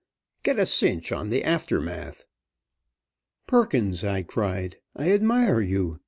Get a cinch on the Aftermath!" "Perkins!" I cried, "I admire you.